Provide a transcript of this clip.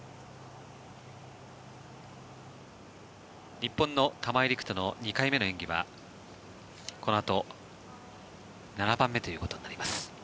日本の玉井陸斗の２回目の演技はこのあと７番目ということになります。